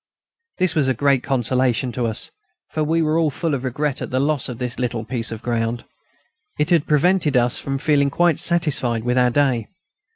This was a great consolation to us, for we were all full of regret at the loss of this little piece of ground. It had prevented us from feeling quite satisfied with our day.